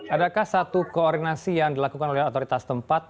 adakah satu koordinasi yang dilakukan oleh otoritas tempat